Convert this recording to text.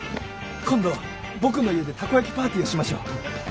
今度僕の家でたこやきパーティーをしましょう。